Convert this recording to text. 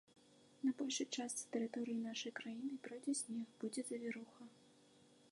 На большай частцы тэрыторыі нашай краіны пройдзе снег, будзе завіруха.